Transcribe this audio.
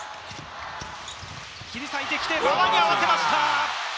切り裂いてきて、馬場に合わせました。